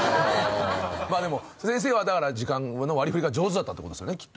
まあでも先生はだから時間の割り振りが上手だったって事ですよねきっと。